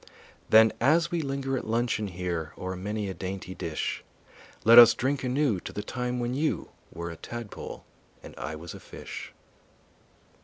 Then as we linger at luncheon here O'er many a dainty dish, Let us drink anew to the time when you Were a tadpole and I was a fish.